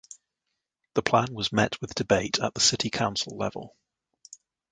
The plan was met with debate at the city council level.